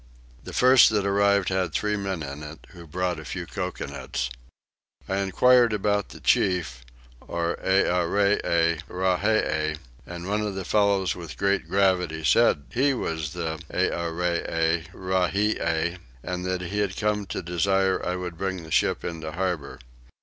The first that arrived had three men in it, who brought a few coconuts. I enquired about the chief or Earee Rahie; and one of the fellows with great gravity said he was the Earee Rahie, and that he had come to desire I would bring the ship into the harbour.